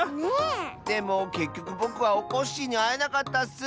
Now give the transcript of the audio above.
でもけっきょくぼくはおこっしぃにあえなかったッス！